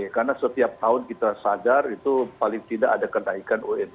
karena setiap tahun kita sadar itu paling tidak ada kenaikan unp